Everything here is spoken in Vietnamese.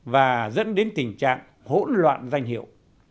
và dẫn đến tình trạng hỗn loạn danh hiệu